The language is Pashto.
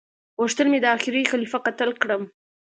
غوښتل مي دا اخيري خليفه قتل کړم